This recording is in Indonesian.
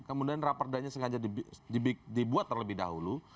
kemudian rapordanya sengaja dibuat terlebih dahulu